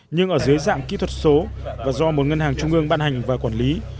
nhưng ở dưới dạng kỹ thuật số và do một ngân hàng trung ương ban hành và quản lý